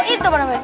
itu pak namai